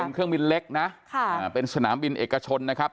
เป็นเครื่องบินเล็กนะเป็นสนามบินเอกชนนะครับ